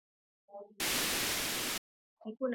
Mkuu na mahakama nyingine za ngazi za shirikisho na majaji